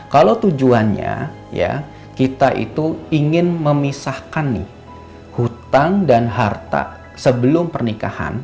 kalau tujuannya kita ingin memisahkan hutang dan harta sebelum pernikahan